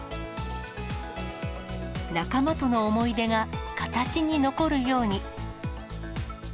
仲間との思い出が形に残るように。